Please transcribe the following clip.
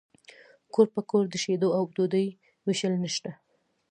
کور په کور د شیدو او ډوډۍ ویشل نشته